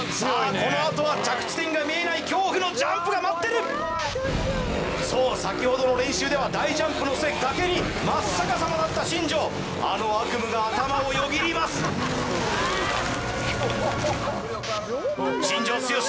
このあとは着地点が見えない恐怖のジャンプが待ってるそう先ほどの練習では大ジャンプの末崖に真っ逆さまだった新庄あの悪夢が頭をよぎります新庄剛志